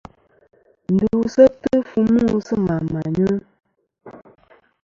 Ndu seftɨ fu mu sɨ mà mà nyu.